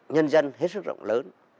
nhân dân hết sức rộng lớn